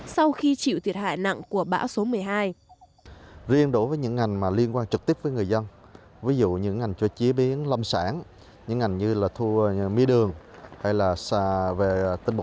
sau khi chịu thiệt hại nặng của bão số một mươi hai